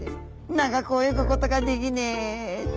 長く泳ぐことができねえって。